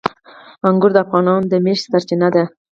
انګور د افغانانو د معیشت سرچینه ده.